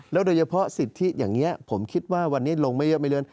แล้วโดยเฉพาะสิทธิ์ที่อย่างนี้ผมคิดว่าวันนี้ลงไม่เยอะไม่เริน